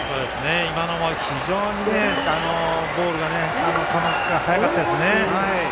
今のは非常にボールが速かったですね。